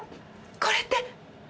これって！